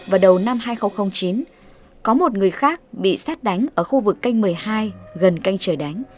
vào đầu năm hai nghìn chín có một người khác bị xét đánh ở khu vực canh một mươi hai gần canh trời đánh